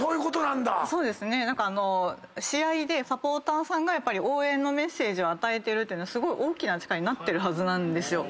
試合でサポーターさんが応援のメッセージを与えてるっていうのはすごい大きな力になってるはずなんですよ。